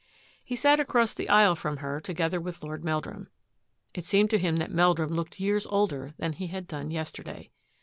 He sat across the aisle from her together with Lord Meldrum. It seemed to him that Meldrum looked years older than he had done yesterday.